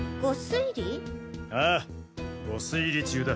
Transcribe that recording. ああ御推理中だ。